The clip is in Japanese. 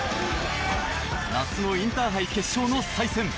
夏のインターハイ決勝の再戦。